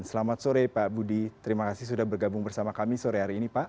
selamat sore pak budi terima kasih sudah bergabung bersama kami sore hari ini pak